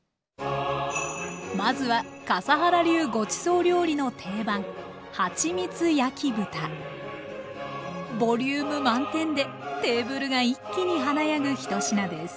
まずは笠原流ごちそう料理の定番ボリューム満点でテーブルが一気に華やぐ１品です